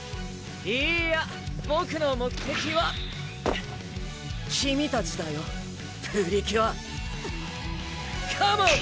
いいやボクの目的は君たちだよプリキュアカモン！